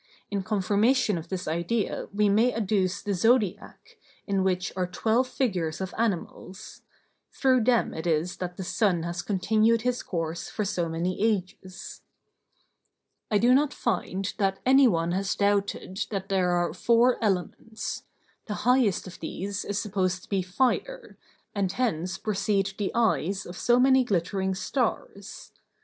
In confirmation of this idea we may adduce the Zodiac, in which are twelve figures of animals; through them it is that the sun has continued his course for so many ages. I do not find that any one has doubted that there are four elements. The highest of these is supposed to be fire, and hence proceed the eyes of so many glittering stars.